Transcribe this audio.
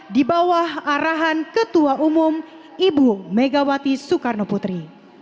di bawah arahan ketua umum ibu megawati soekarno putri